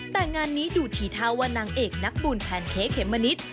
แต่งานนี้ดูทีท่าว่านางเอกนักบุญแพนเค้กเขมมะนิด